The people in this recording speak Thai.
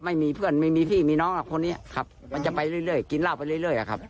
ไม่มีเพื่อนไม่มีพี่มีน้องอะคนนี้ครับมันจะไปเรื่อยเรื่อยกินราบไปเรื่อยเรื่อยอะครับ